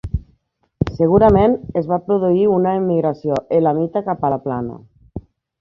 Segurament es va produir una emigració elamita cap a la plana.